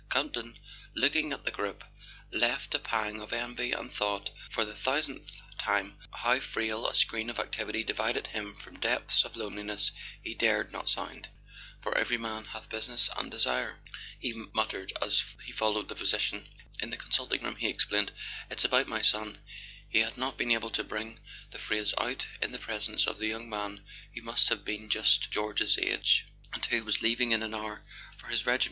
Campton, looking at the group, felt a pang of envy, and thought, for the thousandth time, how frail a screen of activity divided him from depths of loneliness he dared not sound. "'For every man hath business and desire,' " he muttered as he followed the physician. In the consulting room he explained: "It's about my son " He had not been able to bring the phrase out in the presence of the young man who must have been just George's age, and who was leaving in an hour for his regiment.